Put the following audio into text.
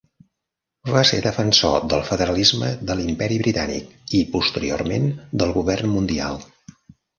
Va ser defensor del federalisme de l'imperi Britànic i, posteriorment, del govern mundial.